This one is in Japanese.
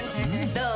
どう？